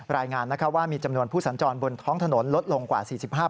รายงานว่ามีจำนวนผู้สัญจรบนท้องถนนลดลงกว่า๔๕